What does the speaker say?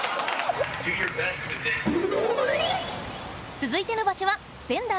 続いての場所は仙台。